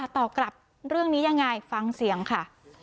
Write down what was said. ตอบกลับเรื่องนี้ยังไงฟังเสียงค่ะ